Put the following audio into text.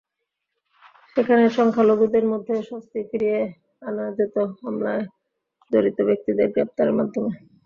সেখানে সংখ্যালঘুদের মধ্যে স্বস্তি ফিরিয়ে আনা যেত হামলায় জড়িত ব্যক্তিদের গ্রেপ্তারের মাধ্যমে।